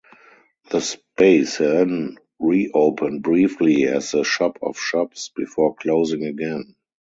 The space then reopened briefly as the ‘Shop of Shops’ before closing again.